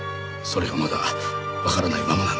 それがまだわからないままなんです。